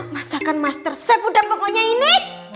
masakan master chef udah pokoknya ini